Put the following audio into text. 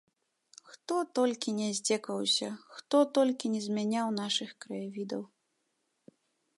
Хто толькі ня зьдзекаваўся, хто толькі не зьмяняў нашых краявідаў!